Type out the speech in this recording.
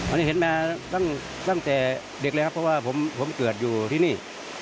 อันนี้เห็นมาตั้งแต่เด็กเลยครับเพราะว่าผมเกิดอยู่ที่นี่